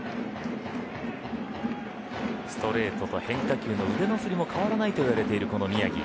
ストレートと変化球の腕の振りも変わらないといわれている宮城。